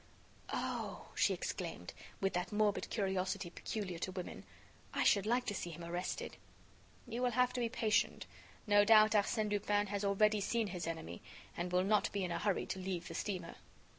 "Oh!" she exclaimed, with that morbid curiosity peculiar to women, "I should like to see him arrested." "You will have to be patient. No doubt, Arsène Lupin has already seen his enemy and will not be in a hurry to leave the steamer."